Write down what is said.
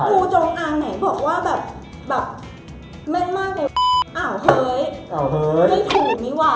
อ้าวเฮ้ยนี่ไม่เหมือนที่พญาเต่าหอยบอกไว้ดีวะ